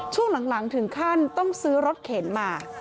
ช่วงหลังถึงขั้นต้องซื้อรถเข็นมา